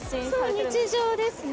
そう日常ですね。